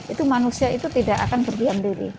itu manusia itu tidak akan berdiam diri